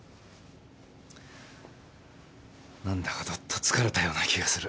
なんだかどっと疲れたような気がする。